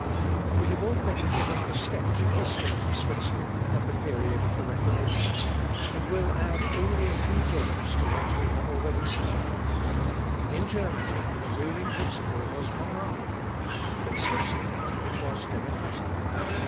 We have already given a sketch of the state of Switzerland at the period of the Reformation, and will only add a few words to what we have already said. In Germany, the ruling principle was monarchical, in Switzerland it was democratic.